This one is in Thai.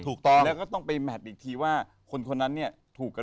ถูกต้องแล้วก็ต้องไปแมทอีกทีว่าคนคนนั้นเนี่ยถูกกับ